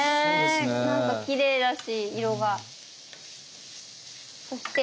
なんかきれいだし色が。